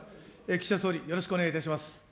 岸田総理、よろしくお願いいたします。